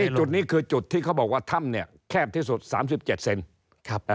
นี่จุดนี้คือจุดที่เขาบอกว่าถ้ำแคบที่สุด๓๗เซนติเมตร